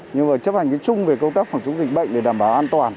nhưng mà chấp hành cái chung về công tác phòng chống dịch bệnh để đảm bảo an toàn